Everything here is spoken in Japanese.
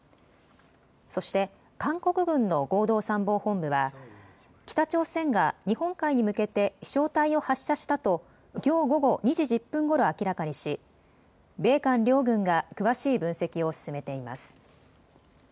そして韓国軍の合同参謀本部は北朝鮮が日本海に向けて飛しょう体を発射したときょう午後２時１０分ごろ明らかにし米韓両軍が詳しい分析を進めています。